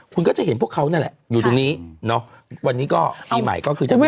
คุณก็จะเห็นพวกเขานั่นแหละอยู่ตรงนี้เนาะวันนี้ก็ปีใหม่ก็คือถ้าเป็น